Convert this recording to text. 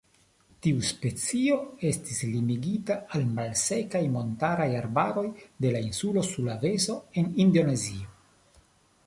Tiu specio estas limigita al malsekaj montaraj arbaroj de la insulo Sulaveso en Indonezio.